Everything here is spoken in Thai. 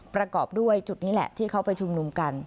ประกอบด้วยจุดนี้แหละที่เขาไปชุมนุมกัน